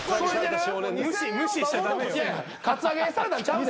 カツアゲされたんちゃうで。